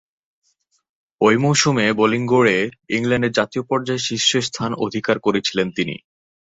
ঐ মৌসুমে বোলিং গড়ে ইংল্যান্ডে জাতীয় পর্যায়ে শীর্ষস্থান অধিকার করেছিলেন তিনি।